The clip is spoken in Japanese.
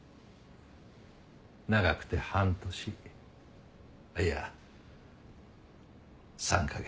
長くて半年いや３カ月。